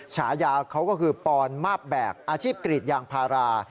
ฉายาเขาก็คือปอนมาบแบกอาชีพกรีดยางพารา